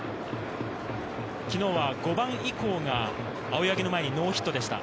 昨日は５番以降が青柳の前にノーヒットでした。